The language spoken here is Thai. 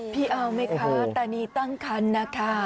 พี่เอาไหมคะแต่นี่ตั้งคันนะคะ